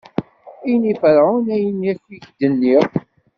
Ini i Ferɛun ayen akk i k-d-nniɣ.